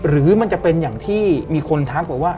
หรือมันจะเป็นอย่างที่มีคนทักไปว่า